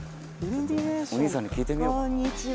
お兄さんに聞いてみようかな。